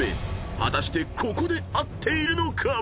［果たしてここで合っているのか？］